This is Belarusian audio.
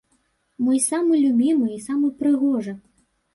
Мой самы любімы і самы прыгожы.